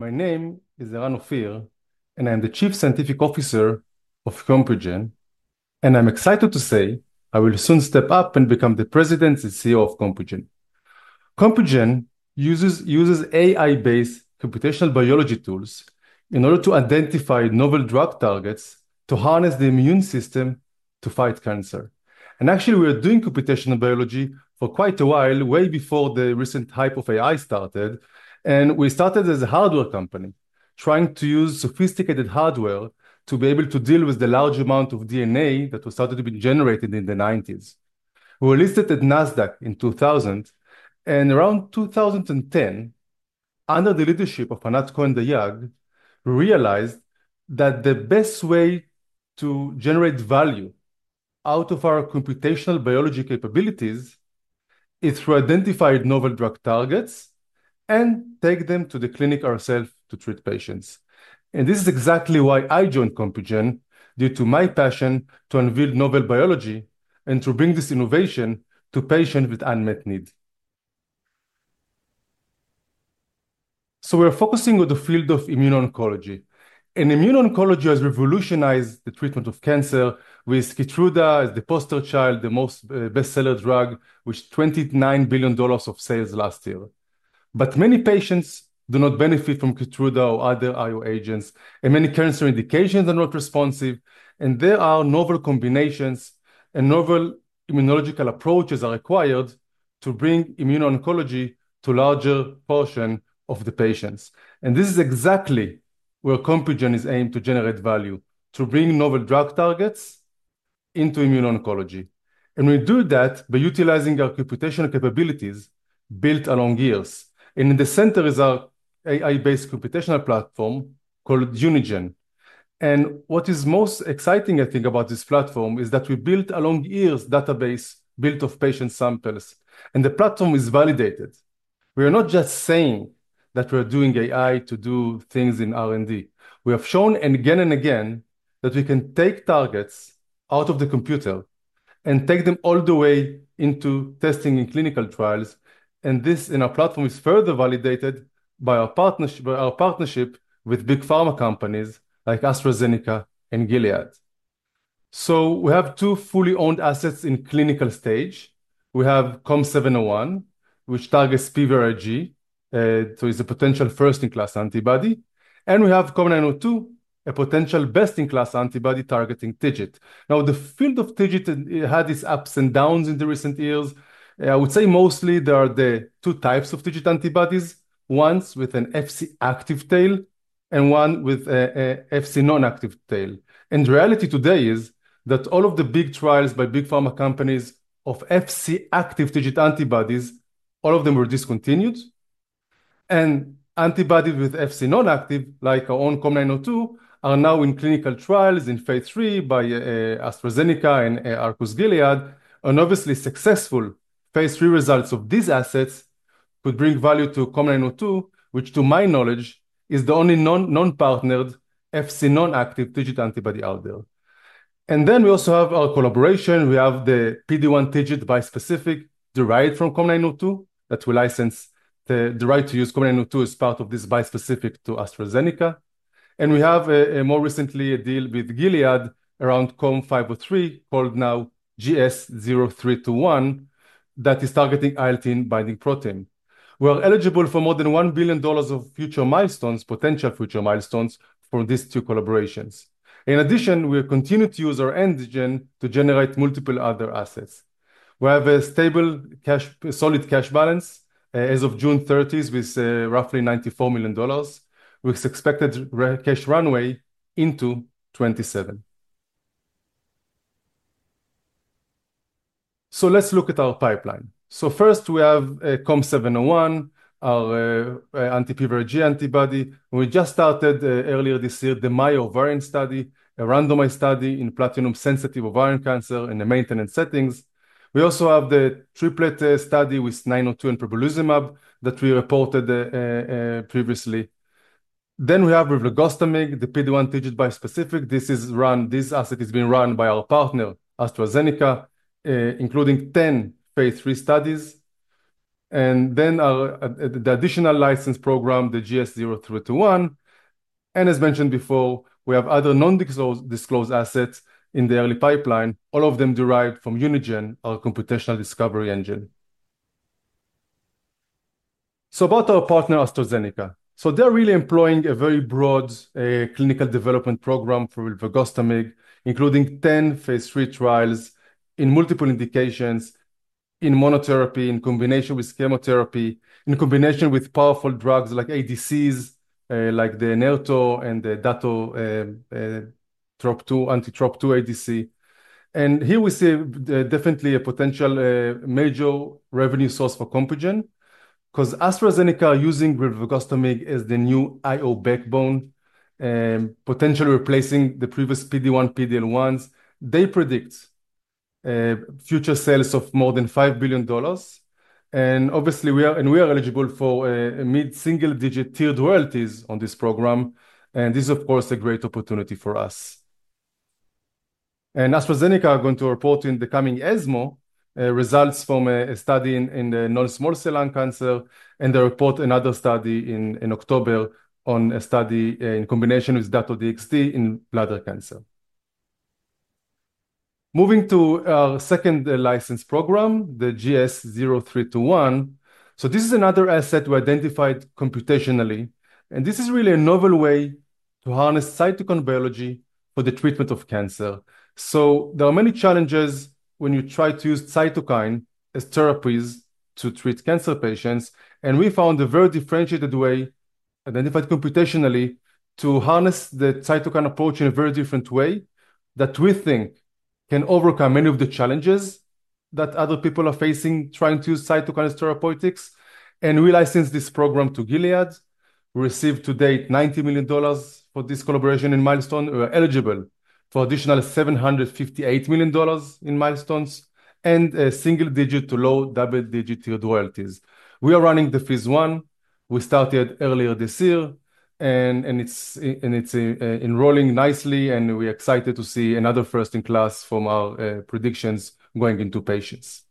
My name is Eran Ophir, and I am the Chief Scientific Officer of Compugen. I'm excited to say I will soon step up and become the President and CEO of Compugen. Compugen uses AI-based computational biology tools in order to identify novel drug targets to harness the immune system to fight cancer. Actually, we are doing computational biology for quite a while, way before the recent hype of AI started. We started as a hardware company, trying to use sophisticated hardware to be able to deal with the large amount of DNA that was starting to be generated in the 1990s. We were listed at NASDAQ in 2000. Around 2010, under the leadership of Anat Cohen-Dayag, we realized that the best way to generate value out of our computational biology capabilities is through identifying novel drug targets and taking them to the clinic ourselves to treat patients. This is exactly why I joined Compugen, due to my passion to unveil novel biology and to bring this innovation to patients with unmet needs. We are focusing on the field of immuno-oncology. Immuno-oncology has revolutionized the treatment of cancer with Keytruda as the poster child, the best-seller drug, with $29 billion of sales last year. Many patients do not benefit from Keytruda or other IO agents. Many cancer indications are not responsive. There are novel combinations and novel immunological approaches that are required to bring immuno-oncology to a larger portion of the patients. This is exactly where Compugen is aiming to generate value, to bring novel drug targets into immuno-oncology. We do that by utilizing our computational capabilities built along years. In the center is our AI-based computational platform called Unigen™. What is most exciting, I think, about this platform is that we built along years a database built of patient samples. The platform is validated. We are not just saying that we are doing AI to do things in R&D. We have shown again and again that we can take targets out of the computer and take them all the way into testing in clinical trials. In our platform, this is further validated by our partnership with big pharma companies like AstraZeneca and Gilead. We have two fully owned assets in the clinical stage. We have COM701, which targets PVRIG, so it's a potential first-in-class antibody. We have COM902, a potential best-in-class antibody targeting TIGIT. Now, the field of TIGIT had its ups and downs in the recent years. I would say mostly there are the two types of TIGIT antibodies, ones with an FC-active tail and one with an FC-non-active tail. The reality today is that all of the big trials by big pharma companies of FC-active TIGIT antibodies, all of them were discontinued. Antibodies with FC-non-active, like our own COM902, are now in clinical trials in phase III by AstraZeneca and Arcus, Gilead. Obviously, successful phase III results of these assets could bring value to COM902, which, to my knowledge, is the only non-partnered FC-non-active TIGIT antibody out there. We also have our collaboration. We have the PD-1/TIGIT bispecific derived from COM902 that we license, the right to use COM902 as part of this bispecific to AstraZeneca. We have, more recently, a deal with Gilead around COM503, called now GS0321, that is targeting ILT in binding protein. We are eligible for more than $1 billion of future milestones, potential future milestones, from these two collaborations. In addition, we continue to use our antigen to generate multiple other assets. We have a stable, solid cash balance as of June 30 with roughly $94 million, with expected cash runway into 2027. Let's look at our pipeline. First, we have COM701, our anti-PVRIG antibody. We just started earlier this year the MYO variant study, a randomized study in platinum-sensitive ovarian cancer in the maintenance settings. We also have the triplet study with 902 and pembrolizumab that we reported previously. We have rifleucostamid, the PD-1/TIGIT bispecific. This asset is being run by our partner, AstraZeneca, including 10 phase III studies. The additional license program, the GS0321, and, as mentioned before, we have other non-disclosed assets in the early pipeline, all of them derived from Unigen™, our computational discovery engine. About our partner, AstraZeneca. They're really employing a very broad clinical development program for rifleucostamid, including 10 phase III trials in multiple indications, in monotherapy, in combination with chemotherapy, in combination with powerful drugs like ADCs, like the Enelto and the Datto-2 anti-TROP2 ADC. Here we see definitely a potential major revenue source for Compugen Ltd. because AstraZeneca is using rifleucostamid as the new IO backbone, potentially replacing the previous PD-1, PD-L1s. They predict future sales of more than $5 billion. Obviously, we are eligible for mid-single-digit tiered royalties on this program. This is, of course, a great opportunity for us. AstraZeneca is going to report in the coming ESMO results from a study in non-small cell lung cancer. They report another study in October on a study in combination with Datto-DXT in bladder cancer. Moving to our second license program, the GS0321, this is another asset we identified computationally. This is really a novel way to harness cytokine biology for the treatment of cancer. There are many challenges when you try to use cytokine as therapies to treat cancer patients. We found a very differentiated way identified computationally to harness the cytokine approach in a very different way that we think can overcome many of the challenges that other people are facing trying to use cytokine as therapeutics. We licensed this program to Gilead. We received to date $90 million for this collaboration in milestones. We are eligible for an additional $758 million in milestones and a single-digit to low double-digit tiered royalties. We are running the phase I. We started earlier this year. It's enrolling nicely. We are excited to see another first-in-class from our predictions going into patients.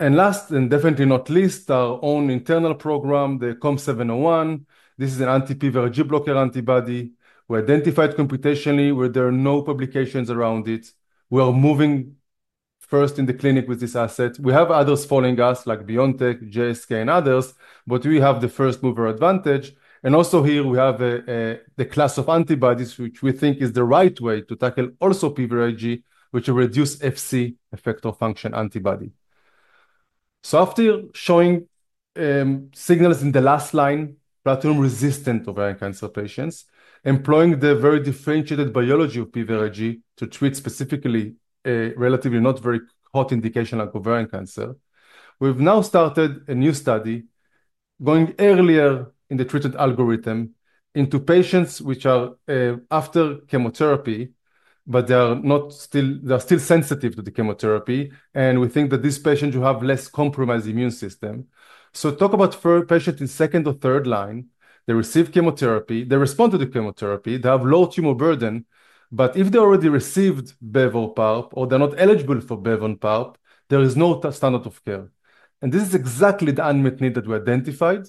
Last and definitely not least, our own internal program, the COM701. This is an anti-PVRIG blocker antibody we identified computationally, where there are no publications around it. We are moving first in the clinic with this asset. We have others following us, like BioNTech, JSK, and others. We have the first-mover advantage. Also here, we have the class of antibodies which we think is the right way to tackle also PVRIG, which is a reduced FC, effector function, antibody. After showing signals in the last line, platinum-resistant ovarian cancer patients, employing the very differentiated biology of PVRIG to treat specifically a relatively not very hot indication like ovarian cancer, we've now started a new study going earlier in the treatment algorithm into patients which are after chemotherapy, but they are still sensitive to the chemotherapy. We think that these patients will have less compromised immune system. Talk about patients in second or third line. They receive chemotherapy. They respond to the chemotherapy. They have low tumor burden. If they already received bevoparp or they're not eligible for bevoparp, there is no standard of care. This is exactly the unmet need that we identified.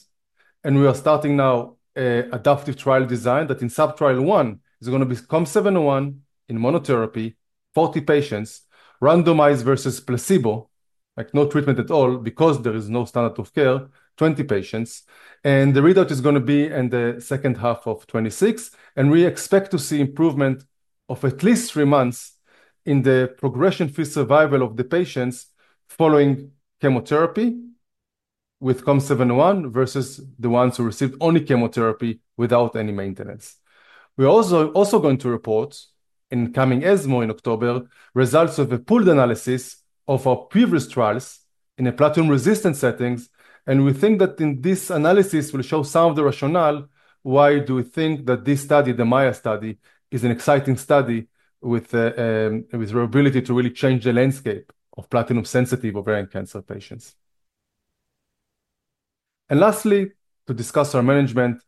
We are starting now adaptive trial design that in subtrial one is going to be COM701 in monotherapy, 40 patients, randomized versus placebo, like no treatment at all because there is no standard of care, 20 patients. The readout is going to be in the second half of 2026. We expect to see improvement of at least three months in the progression-free survival of the patients following chemotherapy with COM701 versus the ones who received only chemotherapy without any maintenance. We are also going to report in the coming ESMO in October results of a pooled analysis of our previous trials in a platinum-resistant setting. We think that this analysis will show some of the rationale why we think that this study, the MYO study, is an exciting study with the ability to really change the landscape of platinum-sensitive ovarian cancer patients. Lastly, to discuss our management.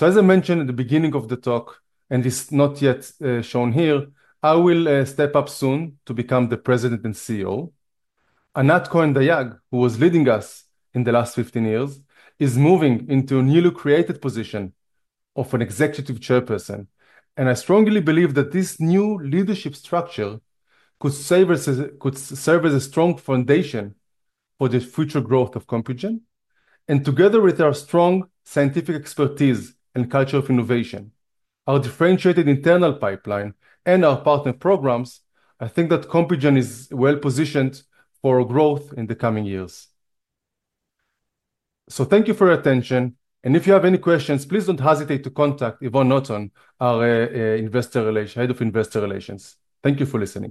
As I mentioned at the beginning of the talk and is not yet shown here, I will step up soon to become the President and CEO. Anat Cohen-Dayag, who was leading us in the last 15 years, is moving into a newly created position of an Executive Chairperson. I strongly believe that this new leadership structure could serve as a strong foundation for the future growth of Compugen. Together with our strong scientific expertise and culture of innovation, our differentiated internal pipeline, and our partner programs, I think that Compugen is well positioned for growth in the coming years. Thank you for your attention. If you have any questions, please don't hesitate to contact Yvonne Naughton, our Head of Investor Relations. Thank you for listening.